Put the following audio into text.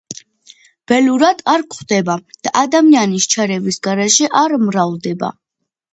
ველურად არ გვხვდება და ადამიანის ჩარევის გარეშე ვერ მრავლდება.